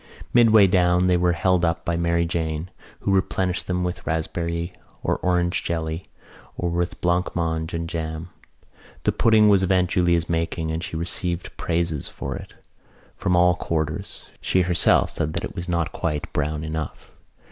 Midway down they were held up by Mary Jane, who replenished them with raspberry or orange jelly or with blancmange and jam. The pudding was of Aunt Julia's making and she received praises for it from all quarters. She herself said that it was not quite brown enough.